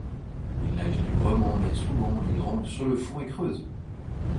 Il nage librement mais souvent il rampe sur le fond et creuse.